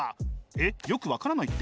えっよく分からないって？